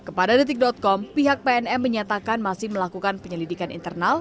kepada detik com pihak pnm menyatakan masih melakukan penyelidikan internal